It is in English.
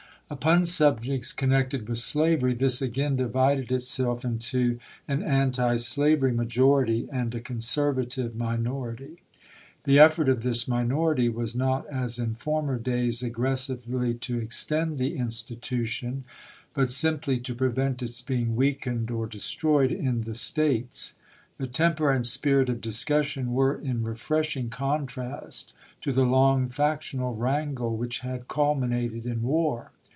Upon subjects connected with slav ery this again divided itself into an anti slavery majority and a conservative minority. The effort 370 CONGRESS 371 of this minority was not as in former days ag cuap.xxi gressively to extend the institution, but simply to prevent its being weakened or destroyed in the States. The temper and spirit of discussion were in refreshing contrast to the long factional wi'angle which had culminated in war.